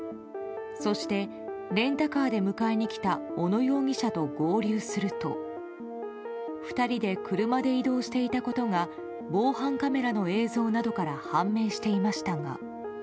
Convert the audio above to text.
そして、レンタカーで迎えに来た小野容疑者と合流すると２人で車で移動していたことが防犯カメラの映像などから判明していましたが。